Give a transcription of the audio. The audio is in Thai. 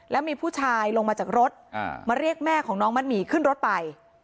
แล้วมีผู้ชายลงมาจากรถมาเรียกแม่ของน้องมัดหมี่ขึ้นรถไป